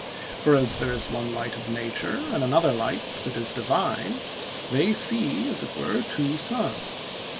For as there is one light of nature, and another light that is divine, they see, as it were, two suns.